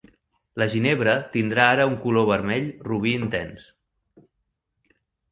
La ginebra tindrà ara un color vermell robí intens.